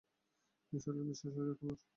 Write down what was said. ঈশ্বরে বিশ্বাস আছে তোমার?